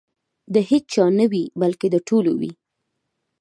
د هیچا نه وي بلکې د ټولو وي.